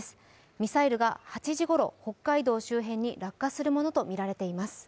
ミサイルが８時ごろ北海道周辺に落下するものとみられています。